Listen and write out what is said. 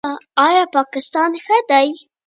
کارګرانو باید یوازې د دوی لپاره کار کړی وای